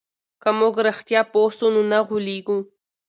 که موږ رښتیا پوه سو نو نه غولېږو.